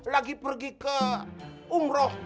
lagi pergi ke umroh